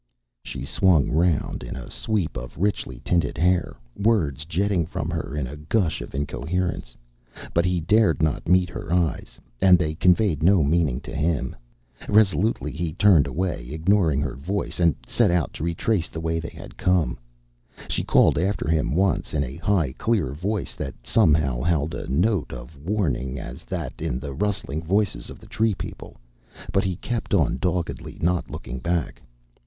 She swung round in a sweep of richly tinted hair, words jetting from her in a gush of incoherence. But he dared not meet her eyes, and they conveyed no meaning to him. Resolutely he turned away, ignoring her voice, and set out to retrace the way they had come. She called after him once, in a high, clear voice that somehow held a note as warning as that in the rustling voices of the tree people, but he kept on doggedly, not looking back.